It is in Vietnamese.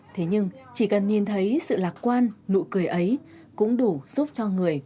thì mình cũng cứ dặn anh là thôi anh cứ đi